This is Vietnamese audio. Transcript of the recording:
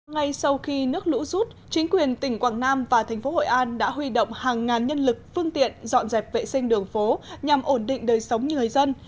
ngay sau khi nước lũ rút chính quyền tỉnh quảng nam và thành phố hội an đã huy động hàng ngàn nhân lực phương tiện dọn dẹp vệ sinh đường phố nhằm ổn định đời sống người dân